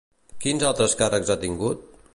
Quins altres càrrecs ha tingut?